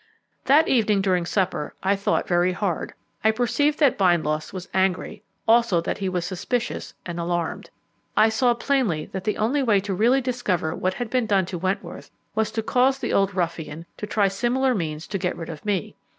That evening during supper I thought very hard. I perceived that Bindloss was angry, also that he was suspicious and alarmed. I saw plainly that the only way to really discover what had been done to Wentworth was to cause the old ruffian to try similar means to get rid of me.